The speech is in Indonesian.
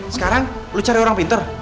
sekarang lo cari orang pintar